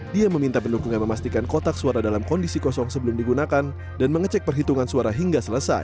dia meminta pendukungnya memastikan kotak suara dalam kondisi kosong sebelum digunakan dan mengecek perhitungan suara hingga selesai